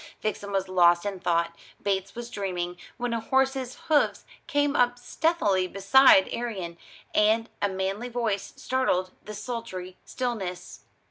Vixen was lost in thought, Bates was dreaming, when a horse's hoofs came up stealthily beside Arion, and a manly voice startled the sultry stillness.